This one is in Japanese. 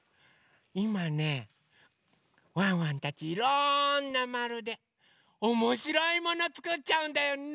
いまねワンワンたちいろんなまるでおもしろいものつくっちゃうんだよね。